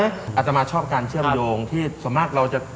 อาตมาชอบการเชื่อมโยงที่ส่วนมากเราจะ